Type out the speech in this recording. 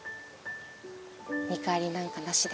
見返りなんかなしで。